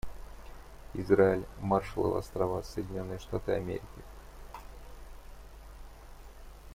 Израиль, Маршалловы Острова, Соединенные Штаты Америки.